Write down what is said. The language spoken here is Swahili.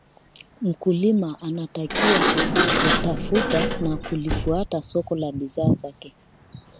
Mkulima anatakiwa kutafuta na kulifuata soko la bidhaa zake